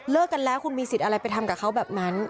กันแล้วคุณมีสิทธิ์อะไรไปทำกับเขาแบบนั้น